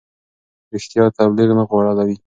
رښتیا تبلیغ نه غولوي.